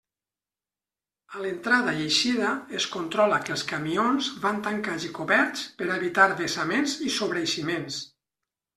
A l'entrada i eixida es controla que els camions van tancats i coberts per a evitar vessaments i sobreeiximents.